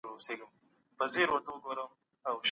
که ملتونه ملي ارزښتونه ونه ساتي، ټولنه ګډوډېږي.